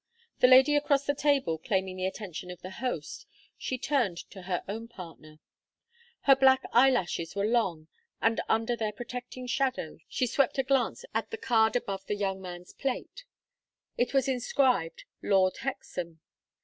The lady across the table claiming the attention of the host, she turned to her own partner. Her black eyelashes were long, and under their protecting shadow she swept a glance at the card above the young man's plate. It was inscribed, "Lord Hexam."